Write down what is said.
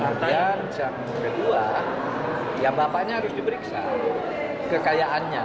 kemudian yang kedua ya bapaknya harus diperiksa kekayaannya